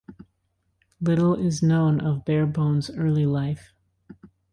Little is known of Barebone's early life.